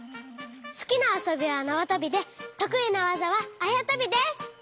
すきなあそびはなわとびでとくいなわざはあやとびです！